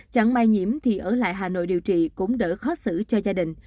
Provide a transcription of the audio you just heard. chẳng may nhiễm thì ở lại hà nội điều trị cũng đỡ khó xử cho gia đình